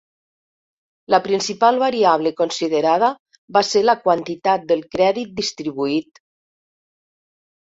La principal variable considerada va ser la quantitat del crèdit distribuït.